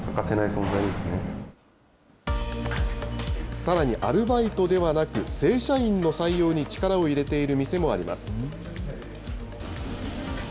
さらにアルバイトではなく、正社員の採用に力を入れている店もあります。